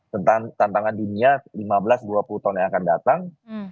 tentang tantangan dunia lima belas dua puluh tahun yang akan datang